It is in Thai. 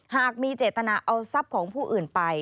หากมีเจตนาเอาทรัพย์ของผู้อื่นไป